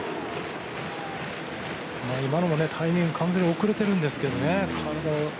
今のタイミング完全に遅れてるんですけどね。